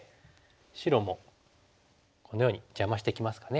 白もこのように邪魔してきますかね。